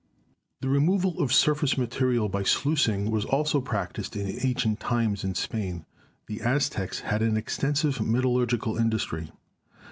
The removal of surface material by sluicing was also practiced in ancient times in Spain. The Aztecs had an extensive metallurgical industry.